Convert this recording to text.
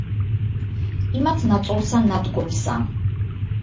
იმათ ნაწოლსა ნადგომსა